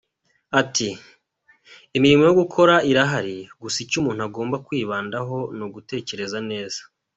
Ati “Imirimo yo gukora irahari, gusa icyo umuntu agomba kwibandaho ni ugutekereza neza.